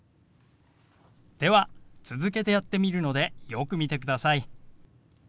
では続けてやってみるのでよく見てください。